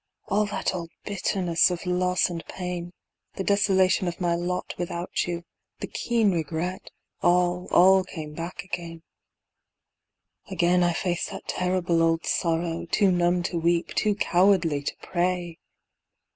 All that old bitterness of loss and pain, The desolation of my lot without you, The keen regret, all, all came back again. Again I faced that terrible old sorrow; Too numb to weep, too cowardly to pray.